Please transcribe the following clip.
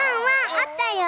あったよ。